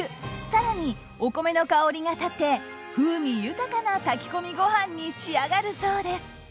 更にお米の香りが立って風味豊かな炊き込みご飯に仕上がるそうです。